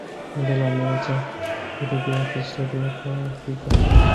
Mandela ameacha urithi wa kihistori kwa waafrika